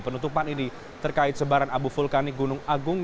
penutupan ini terkait sebaran abu vulkanik gunung agung